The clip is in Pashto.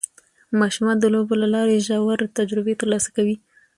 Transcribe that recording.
ماشومان د لوبو له لارې ژورې تجربې ترلاسه کوي